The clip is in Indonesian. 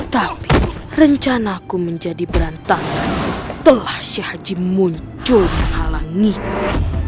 tapi rencanaku menjadi berantakan setelah syahji muncul menghalangiku